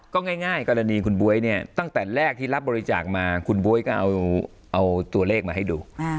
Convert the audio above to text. ก็ง่ายกรณีคุณบ๊วยเนี่ยตั้งแต่แรกที่รับบริจาคมาคุณบ๊วยก็เอาตัวเลขมาให้ดู